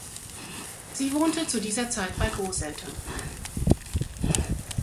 Sie wohnte zu dieser Zeit bei Großeltern.